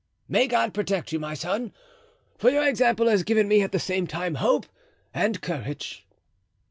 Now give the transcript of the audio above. "May God protect you, my son; for your example has given me at the same time hope and courage."